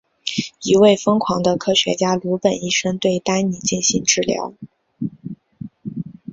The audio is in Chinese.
一位疯狂的科学家鲁本医生对丹尼进行治疗。